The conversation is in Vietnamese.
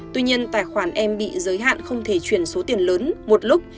tuy nhiên tài khoản em bị giới hạn không thể chuyển số tiền lớn một lúc